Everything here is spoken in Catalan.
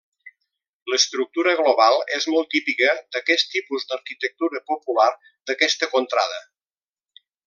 L'estructura global és molt típica d'aquest tipus d'arquitectura popular d'aquesta contrada.